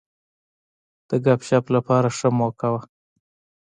د ګپ شپ لپاره ښه موقع وه.